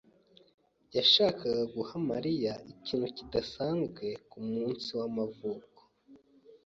yashakaga guha Mariya ikintu kidasanzwe kumunsi w'amavuko.